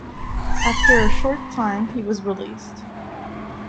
After a short time he was released.